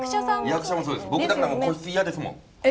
僕だから個室嫌ですもん。